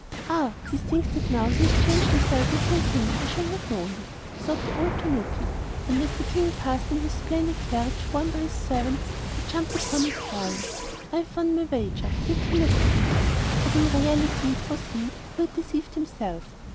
"Ah! he thinks that now he has changed himself into a king I shall not know him," thought the old tanuki, and as the king passed in his splendid carriage, borne by his servants, he jumped upon it crying: "I have won my wager; you cannot deceive me." But in reality it was he who had deceived himself.